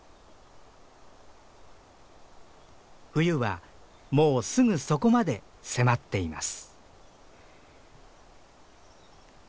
冬はもうすぐそこまで迫っています。